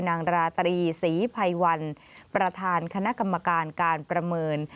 นางราตรีศรีภัยวันประธานคณะกรรมการการประเมิน